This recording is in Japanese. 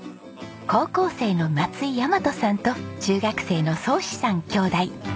高校生の松井大和さんと中学生の奏士さん兄弟。